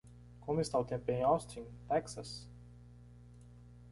Como está o tempo em Austin, Texas?